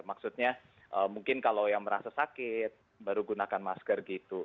maksudnya mungkin kalau yang merasa sakit baru gunakan masker gitu